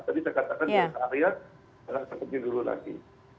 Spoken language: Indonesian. jadi saya katakan kita lihat kita kembali dulu lagi